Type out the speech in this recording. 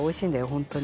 ホントに。